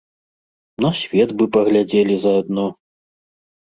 На свет бы паглядзелі заадно?